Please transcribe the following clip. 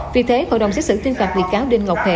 vì thế hội đồng xét xử tuyên phạt bị cáo đinh ngọc hệ